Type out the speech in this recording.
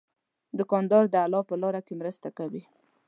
دوکاندار د الله په لاره کې مرسته کوي.